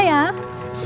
kue nastar sama kastengel